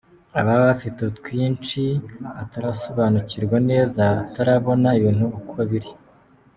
Aba afite twinshi atarasobanukirwa neza, atarabona ibintu uko biri.